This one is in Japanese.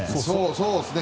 そうですね。